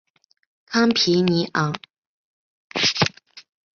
康皮尼昂。